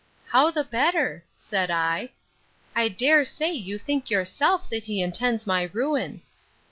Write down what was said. How the better? said I.—I dare say, you think yourself, that he intends my ruin.